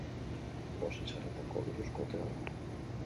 Bost izarretako luxuzko hotela da.